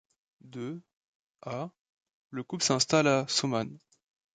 De à le couple s'installe à Saumane.